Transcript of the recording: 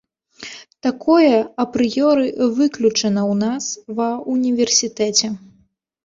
Такое апрыёры выключана ў нас ва ўніверсітэце.